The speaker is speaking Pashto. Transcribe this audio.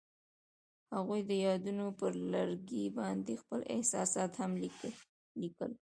هغوی د یادونه پر لرګي باندې خپل احساسات هم لیکل.